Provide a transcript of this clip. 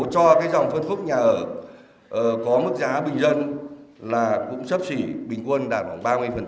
cho cái dòng phân khúc nhà ở có mức giá bình dân là cũng sấp xỉ bình quân đạt khoảng ba mươi